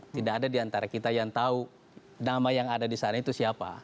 tidak ada di antara kita yang tahu nama yang ada di sana itu siapa